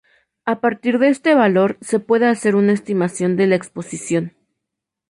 A partir de este valor se puede hacer una estimación de la exposición.